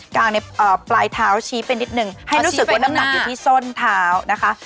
กลางในปลายเท้าชี้ไปนิดนึงให้รู้สึกว่าน้ำหนักอยู่ที่ส้นเท้านะคะ